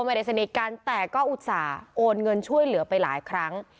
ไม่ได้สนิทกันแต่ก็อุตส่าห์โอนเงินช่วยเหลือไปหลายครั้ง